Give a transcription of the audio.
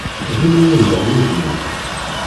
D imiwriɣ wudem-ik.